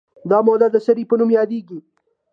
دا مواد د سرې په نوم یادیږي.